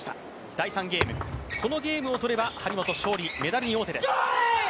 第３ゲーム、このゲームを取れば張本勝利、メダルに王手です。